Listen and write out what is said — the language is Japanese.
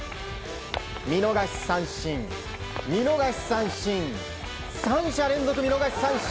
見逃し三振、見逃し三振三者連続見逃し三振！